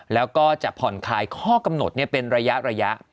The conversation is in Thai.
แล้วก็จะผ่อนคลายข้อกำหนดเป็นระยะ